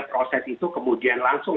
proses itu kemudian langsung